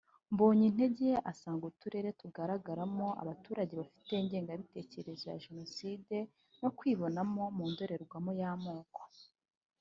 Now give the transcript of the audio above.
Mbonyintege asanga uturere tugaragaramo abaturage bafite ingengabitekerezo ya Jenoside no kwibonanamo mu ndorerwamo y’amoko